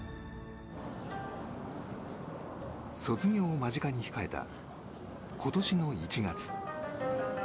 卒業を間近に控えた今年の１月。